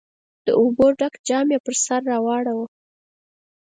د اوبو ډک جام يې پر سر واړاوه.